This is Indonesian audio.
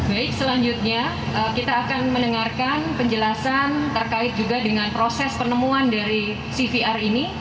baik selanjutnya kita akan mendengarkan penjelasan terkait juga dengan proses penemuan dari cvr ini